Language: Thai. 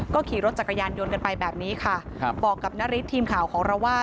ขี่รถจักรยานยนต์กันไปแบบนี้ค่ะครับบอกกับนาริสทีมข่าวของเราว่า